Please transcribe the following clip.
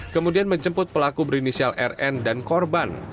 kemudian menjemput pelaku berinisial rn dan korban